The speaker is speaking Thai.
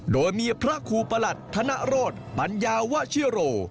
โดยมีพระครูประหลัดธนโรธปัญญาวชิโร